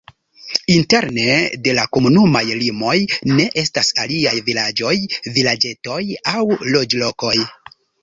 Interne de la komunumaj limoj ne estas aliaj vilaĝoj, vilaĝetoj aŭ loĝlokoj.